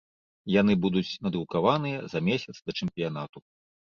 Яны будуць надрукаваныя за месяц да чэмпіянату.